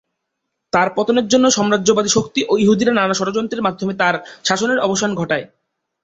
তার পতনের জন্য সাম্রাজ্যবাদী শক্তি ও ইহুদিরা নানা ষড়যন্ত্রের মাধ্যমে তার শাসনের অবসান ঘটায়।